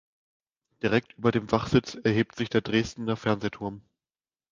Direkt über Wachwitz erhebt sich der Dresdner Fernsehturm.